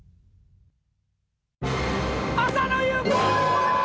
浅野ゆう子！